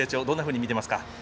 どんなふうに見てますか？